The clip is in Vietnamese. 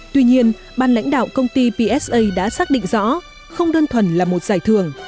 tuy nhiên ban lãnh đạo công ty psa đã xác định rõ không đơn thuần là một giải thưởng